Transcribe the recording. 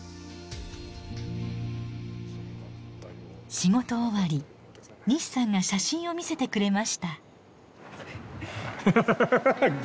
仕事終わり西さんが写真を見せてくれました。